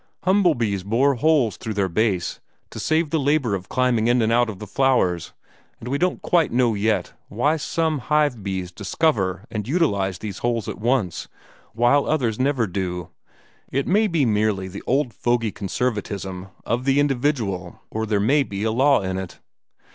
Humble bees bore holes through their base, to save the labor of climbing in and out of the flowers, and we don't quite know yet why some hive bees discover and utilize these holes at once, while others never do. It may be merely the old fogy conservatism of the individual, or there may be a law in it."